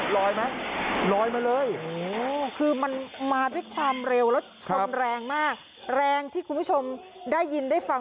ลอยไหมลอยมาเลยโอ้โหคือมันมาด้วยความเร็วแล้วชนแรงมากแรงที่คุณผู้ชมได้ยินได้ฟัง